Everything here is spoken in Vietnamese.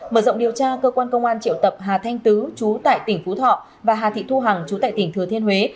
mở rộng điều tra cơ quan công an triệu tập hà thanh tứ trú tại tp phú thọ và hà thị thu hằng trú tại tp thừa thiên huế